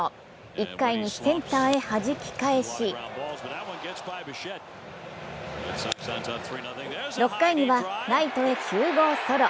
１回にセンターへはじき返し６回にはライトへ９号ソロ。